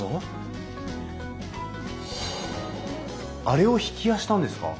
あれを曳家したんですか！？